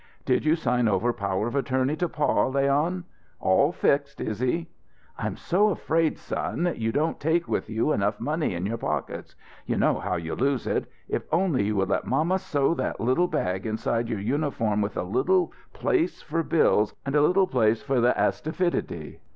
"Did you sign over power of attorney to pa, Leon?" "All fixed, Izzy." "I'm so afraid, son, you don't take with you enough money in your pockets. You know how you lose it. If only you would let mamma sew that little bag inside your uniform with a little place for bills and a little place for the asfitidy!"